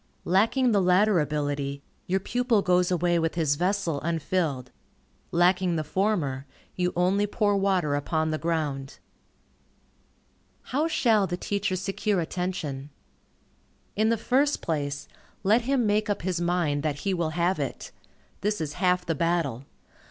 Lacking the latter ability, your pupil goes away with his vessel unfilled. Lacking the former, you only pour water upon the ground. How shall the teacher secure attention? In the first place, let him make up his mind that he will have it. This is half the battle.